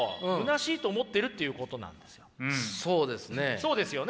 そうですね。